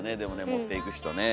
持って行く人ね。